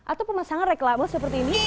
atau pemasangan reklama seperti ini